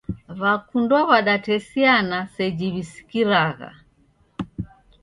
Wakundwa wadatesiana seji wisikiragha.